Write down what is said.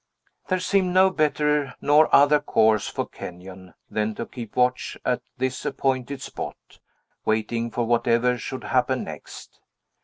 There seemed no better nor other course for Kenyon than to keep watch at this appointed spot, waiting for whatever should happen next.